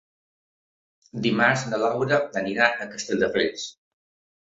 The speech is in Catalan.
Dimarts na Laura irà a Castelldefels.